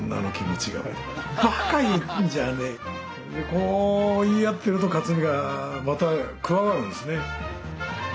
こう言い合ってると克実がまた加わるんですね。